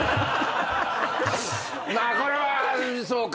まあこれはそうか。